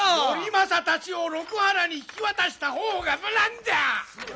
頼政たちを六波羅に引き渡した方が無難じゃ。